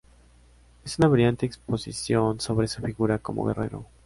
Es una brillante exposición sobre su figura como guerrero.